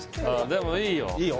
俺もいいよ